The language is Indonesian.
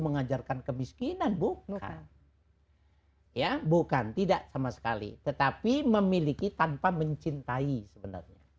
mengajarkan kemiskinan bukan ya bukan tidak sama sekali tetapi memiliki tanpa mencintai sebenarnya